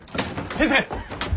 先生